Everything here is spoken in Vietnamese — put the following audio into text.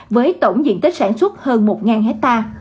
với tổng diện tích sản xuất hơn một ha